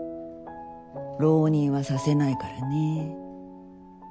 浪人はさせないからね。